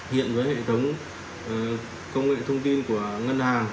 hiện với hệ thống công nghệ thông tin của ngân hàng